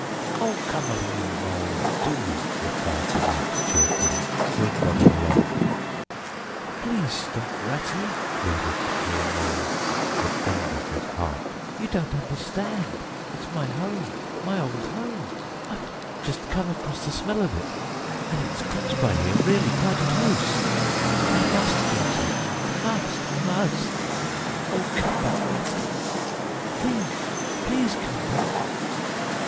"Oh, come along, Mole, do!" replied the Rat cheerfully, still plodding along. "Please stop, Ratty!" pleaded the poor Mole, in anguish of heart. "You don't understand! It's my home, my old home! I've just come across the smell of it, and it's close by here, really quite close. And I must go to it, I must, I must! Oh, come back, Ratty! Please, please come back!"